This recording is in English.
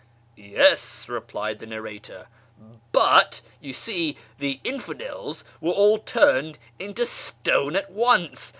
" Yes," replied the narrator, " but, you see, the infidels were all turned into stone at once.